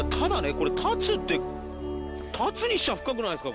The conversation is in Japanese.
これ立つって立つにしちゃあ深くないですか？